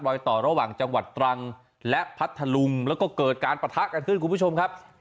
ต่อระหว่างจังหวัดตรังและพัทธลุงแล้วก็เกิดการปะทะกันขึ้นคุณผู้ชมครับ